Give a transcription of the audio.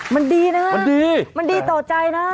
มันดีนะมันดีมันดีต่อใจนะ